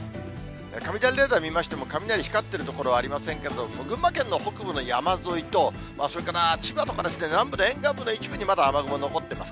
雷レーダー見ましても、雷光ってる所はありませんけれども、群馬県の北部の山沿いと、それから千葉とかですね、南部の沿岸部の一部にまだ雨雲残ってます。